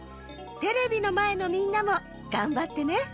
テレビのまえのみんなもがんばってね。